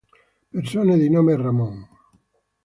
Persone di nome Ramón